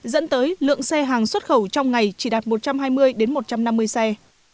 dẫn tới lượng xe hàng xuất khẩu trong ngày chỉ đạt một trăm hai mươi một trăm năm mươi xe